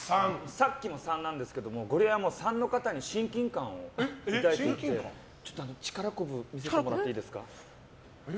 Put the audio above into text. さっきも３なんですけどゴリエは３の方に親近感を抱いていて力こぶ見せてもらっていいですか？